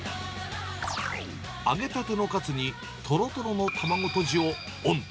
揚げたてのカツに、とろとろの卵とじをオン。